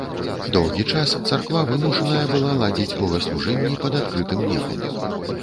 Доўгі час царква вымушаная была ладзіць богаслужэнні пад адкрытым небам.